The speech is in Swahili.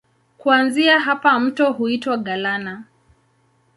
Kuanzia hapa mto huitwa Galana.